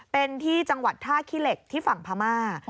เป็นที่จังหวัดท่าขี้เหล็กที่ฝั่งพม่า